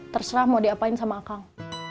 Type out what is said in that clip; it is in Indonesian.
terserah mau diapain sama kang